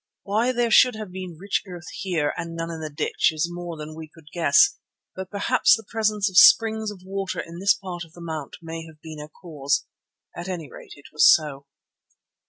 Why there should have been rich earth here and none in the ditch is more than we could guess, but perhaps the presence of springs of water in this part of the mount may have been a cause. At any rate it was so.